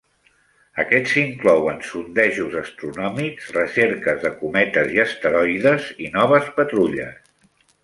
Aquests inclouen sondejos astronòmics, recerques de cometes i asteroides i noves patrulles.